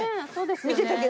見てたけど。